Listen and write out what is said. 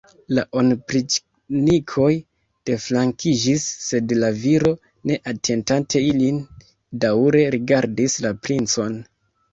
La opriĉnikoj deflankiĝis, sed la viro, ne atentante ilin, daŭre rigardis la princon.